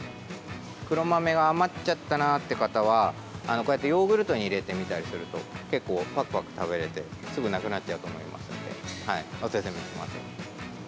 黒豆が余っちゃったなという方はヨーグルトに入れてみたりすると結構パクパク食べれて、すぐなくなっちゃうと思いますのでおすすめします。